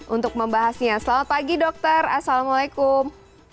untuk membahasnya selamat pagi dokter assalamualaikum